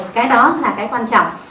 cái đó là cái quan trọng